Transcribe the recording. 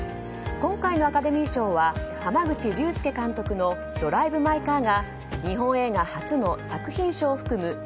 今回のアカデミー賞は濱口竜介監督の「ドライブ・マイ・カー」が日本映画初の作品賞を含む